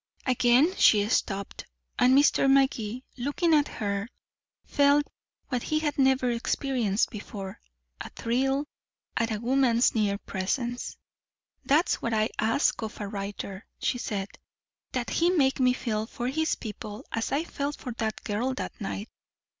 Again she stopped, and Mr. Magee, looking at her, felt what he had never experienced before a thrill at a woman's near presence. "That's what I ask of a writer," she said, "that he make me feel for his people as I felt for that girl that night.